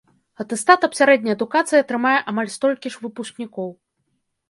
Атэстат аб сярэдняй адукацыі атрымае амаль столькі ж выпускнікоў.